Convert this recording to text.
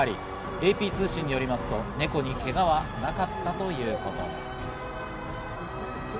ＡＰ通信によりますと、ネコにけがはなかったということです。